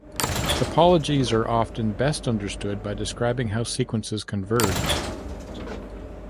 Topologies are often best understood by describing how sequences converge.